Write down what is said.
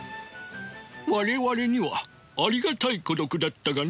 我々にはありがたい孤独だったがね。